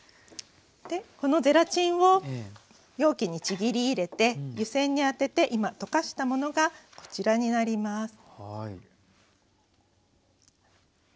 このゼラチンを容器にちぎり入れて湯煎に当てて今溶かしたものがこちらになります。